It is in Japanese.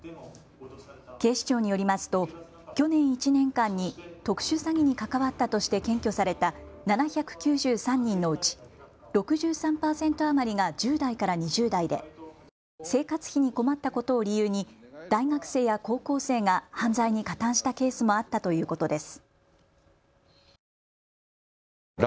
警視庁によりますと去年１年間に特殊詐欺に関わったとして検挙された７９３人のうち６３％余りが１０代から２０代で生活費に困ったことを理由に大学生や高校生が犯罪に加担したケースもあったということです。